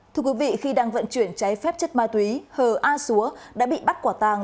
thưa quý vị khi đang vận chuyển cháy phép chất ma túy hờ a xúa đã bị bắt quả tàng